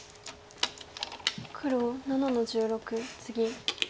黒７の十六ツギ。